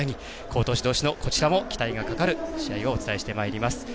好投手どうしのこちらも期待のかかる試合をお伝えしていきます。